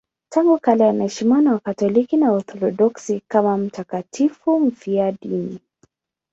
Tangu kale anaheshimiwa na Wakatoliki na Waorthodoksi kama mtakatifu mfiadini.